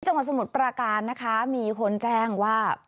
จังหวัดสมุทรปราการนะคะมีคนแจ้งว่า